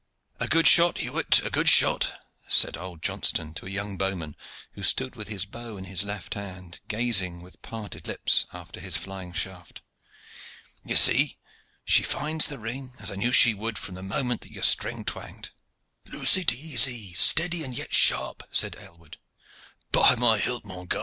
"A good shot, Hewett, a good shot!" said old Johnston to a young bowman, who stood with his bow in his left hand, gazing with parted lips after his flying shaft. "You see, she finds the ring, as I knew she would from the moment that your string twanged." "Loose it easy, steady, and yet sharp," said Aylward. "By my hilt! mon gar.